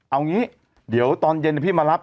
เอางี้เดี๋ยวตอนเย็นพี่มารับ